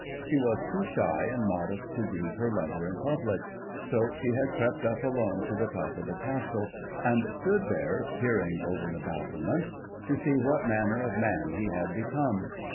She was too shy and modest to greet her lover in public, so she had crept up alone to the top of the Castle, and stood there, peering over the battlements, to see what manner of man he had become.